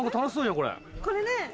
これね。